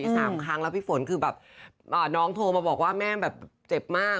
สามครั้งแล้วพี่ฝนคือแบบน้องโทรมาบอกว่าแม่แบบเจ็บมาก